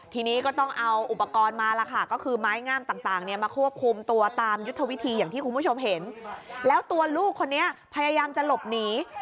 ที่นี้ก็ต้องเอาอุปกรณ์มาละค่ะก็คือไม้งามต่างมาควบคุมตัวตามยุทธวิธีอย่างที่คุณผู้ชมเห็น